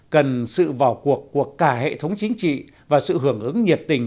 cần sự vào cuộc của cả hệ thống chính trị và sự hưởng ứng nhiệt tình